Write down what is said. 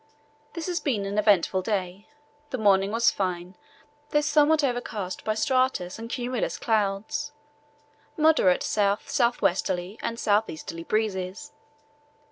"This has been an eventful day. The morning was fine, though somewhat overcast by stratus and cumulus clouds; moderate south south westerly and south easterly breezes.